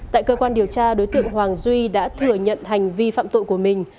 tại cơ quan điều tra đối tượng hoàng duy đã thừa nhận hành vi phạm tội của mình